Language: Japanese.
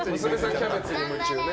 キャベツに夢中ね。